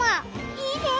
いいね！